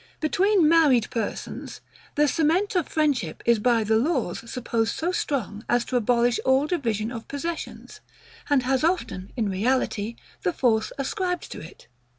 Between married persons, the cement of friendship is by the laws supposed so strong as to abolish all division of possessions; and has often, in reality, the force ascribed to it.